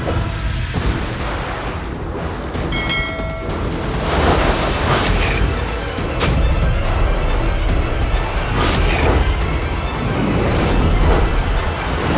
aku akan menyerahkan roda mas